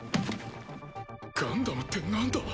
ガンダムってなんだ？